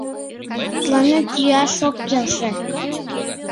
— Тыланет йӱаш ок келше...